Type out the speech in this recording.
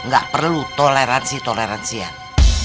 gak perlu toleransi toleransian